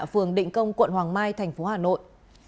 phường định công quận hoàng mai tp hà nội